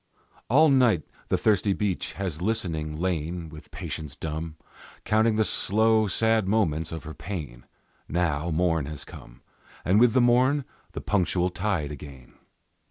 All night the thirsty beach has listening lain, With patience dumb, Counting the slow, sad moments of her pain; Now morn has come, And with the morn the punctual tide again.